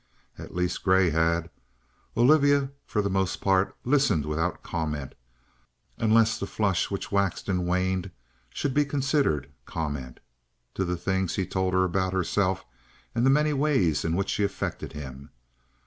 At least Grey had; Olivia, for the most part, listened without comment, unless the flush which waxed and waned should be considered comment, to the things he told her about herself and the many ways in which she affected him.